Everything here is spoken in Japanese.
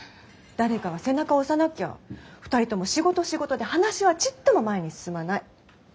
誰かが背中を押さなきゃ２人とも仕事仕事で話はちっとも前に進まない。